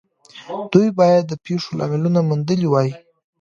دوی بايد د پېښو لاملونه موندلي وای.